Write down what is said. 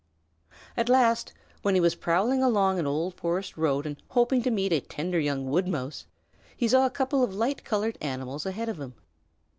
At last, when he was prowling along an old forest road and hoping to meet a tender young Wood Mouse, he saw a couple of light colored animals ahead of him.